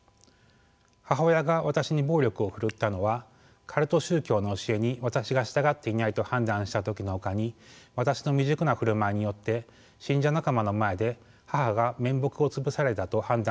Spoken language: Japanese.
母親が私に暴力を振るったのはカルト宗教の教えに私が従っていないと判断した時のほかに私の未熟な振る舞いによって信者仲間の前で母が面目を潰されたと判断した時もありました。